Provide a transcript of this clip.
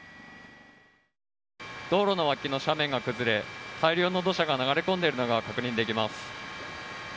道路の脇の斜面が崩れ大量の土砂が流れ込んでいるのが確認できます。